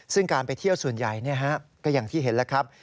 ซึ่งการไปเที่ยวส่วนใหญ่ก็อย่างที่เห็นแล้วครับ